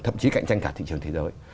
thậm chí cạnh tranh cả thị trường thế giới